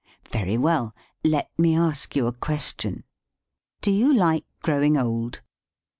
Very well, let me ask you a question. "Do you like growing old?"